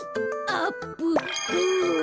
あっぷっぷ。